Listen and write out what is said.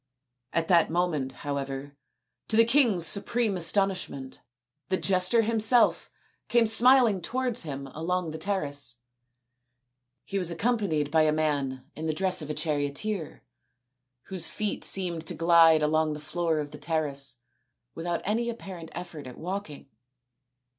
At that moment, however, to the king's supreme astonishment, the jester himself came smil ing towards him along the terrace. He was accom panied by a man in the dress of a charioteer, whose feet seemed to glide along the floor of the terrace without any apparent effort at walking.